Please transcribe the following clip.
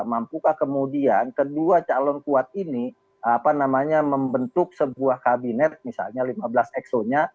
mampukah kemudian kedua calon kuat ini membentuk sebuah kabinet misalnya lima belas exonya